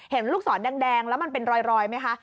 เห็นลูกสอนแดงแล้วมันเป็นรอยไหมคะ